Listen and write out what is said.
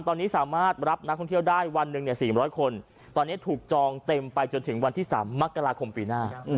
ตอนนี้สามารถรับนักท่องเที่ยวได้วันหนึ่ง๔๐๐คนตอนนี้ถูกจองเต็มไปจนถึงวันที่๓มกราคมปีหน้า